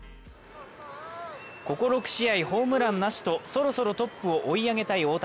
ここ６試合、ホームランなしとそろそろトップを追い上げたい大谷。